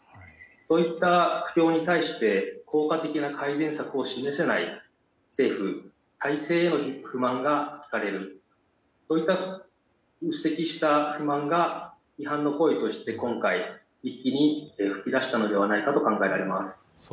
こういった苦境に対して効果的な改善策を示せない政府・体制に不満が聞かれるそういった鬱積した不満が批判の声として今回一気に噴き出したのではないかと考えられます。